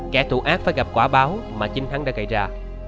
kẻ tụ ác phải gặp quả báo mà chính thắng đã gây ra